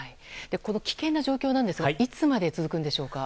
この危険な状況ですがいつまで続くんでしょうか。